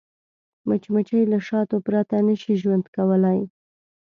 مچمچۍ له شاتو پرته نه شي ژوند کولی